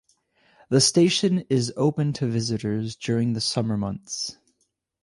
The station is open to visitors during the summer months.